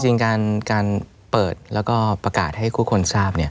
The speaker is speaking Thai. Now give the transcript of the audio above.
จริงการเปิดแล้วก็ประกาศให้ทุกคนทราบ